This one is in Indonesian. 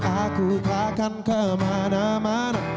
aku takkan kemana mana